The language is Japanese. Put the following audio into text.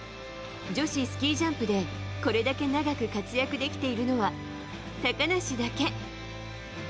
女子スキージャンプでこれだけ長く活躍できているのは高梨だけ。